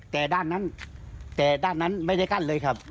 แต่ด้านนั้นไม่ได้กั้นเลยครับ